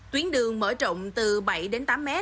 tuyến đường mở rộng từ bảy tám m